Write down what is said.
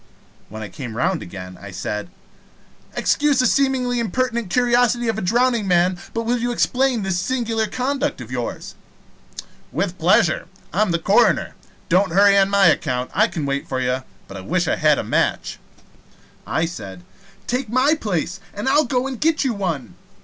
When I came round again, I said: "Excuse the seemingly impertinent curiosity of a drowning man, but will you explain this singular conduct of yours?" "With pleasure. I am the coroner. Don't hurry on my account. I can wait for you. But I wish I had a match." I said: "Take my place, and I'll go and get you one."